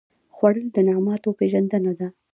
خوړل د نعماتو پېژندنه ده